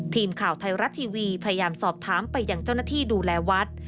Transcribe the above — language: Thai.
ทีมข่าวไทยรัฐทีวีพยายามสอบถามไปอย่างเจ้าหน้าที่ดูแลวัด